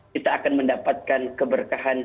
kita akan mendapatkan keberkahan